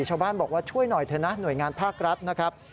ชาวบ้านบอกว่าช่วยหน่อยเถอะนะหน่วยงานภาครัฐนะครับ